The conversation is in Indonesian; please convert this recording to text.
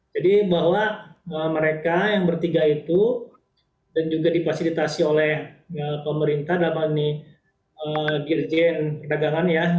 jadi bahwa mereka yang bertiga itu dan juga dipasilitasi oleh pemerintah namanya dirjen perdagangan ya